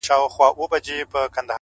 • سردونو ویښ نه کړای سو،